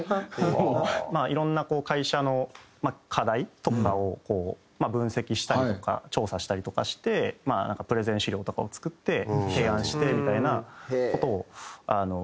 いろんなこう会社の課題とかを分析したりとか調査したりとかしてまあなんかプレゼン資料とかを作って提案してみたいな事をやってましたね。